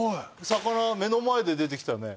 魚目の前で出てきたよね。